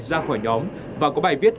ra khỏi nhóm và có bài viết